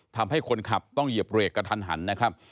ทำให้คนขับต้องเหยียบเรกกระทันหันนะครับ